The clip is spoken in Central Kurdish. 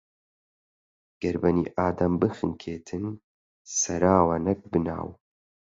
گەر بەنی ئادەم بخنکێتن، سەراوە نەک بناو